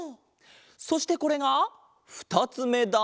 そしてこれがふたつめだ。